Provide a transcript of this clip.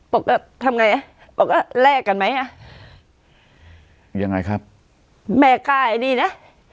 ปกติทำไงอ่ะปกติแลกกันไหมอ่ะยังไงครับแม่กล้าอันนี้นะ